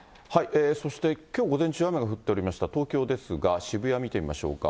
そしてきょう午前中雨が降っておりました、東京ですが、渋谷、見てみましょうか。